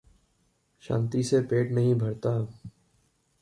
शांति से पेट नहीं भरता।